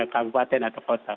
kabupaten atau kota